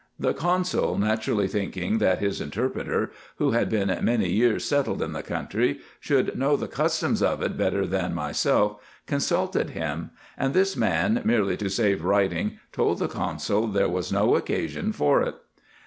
The consul, naturally thinking that his interpreter, who had been many years settled in the country, should know the customs of it better than myself, consulted him ; and this man, merely to save writing, told the consul there was no occasion for it.